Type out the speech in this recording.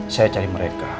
saya cari mereka